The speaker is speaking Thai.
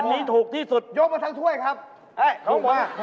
อันนี้ถูกที่สุดยกมาทั้งถ้วยครับถูกมากใช่ถูกมาก